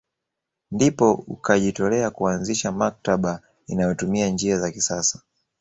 Ndipo ukajitolea kuanzisha maktaba inayotumia njia za kisasa